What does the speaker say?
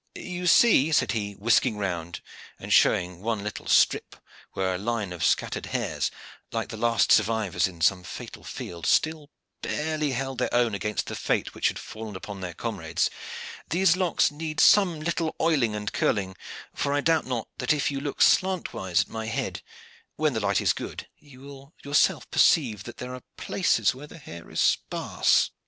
"You see," said he, whisking round, and showing one little strip where a line of scattered hairs, like the last survivors in some fatal field, still barely held their own against the fate which had fallen upon their comrades; "these locks need some little oiling and curling, for I doubt not that if you look slantwise at my head, when the light is good, you will yourself perceive that there are places where the hair is sparse."